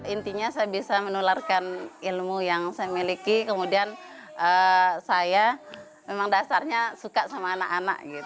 intinya saya bisa menularkan ilmu yang saya miliki kemudian saya memang dasarnya suka sama anak anak